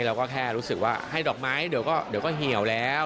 เราก็แค่รู้สึกว่าให้ดอกไม้เดี๋ยวก็เหี่ยวแล้ว